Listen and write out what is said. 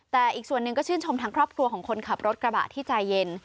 แต่อีกส่วนหนึ่งก็ชื่นชมทางครอบครัวของคนขับรถกระบะที่ใจเย็น